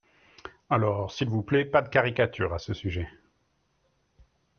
Alors, s’il vous plaît, pas de caricature à ce sujet.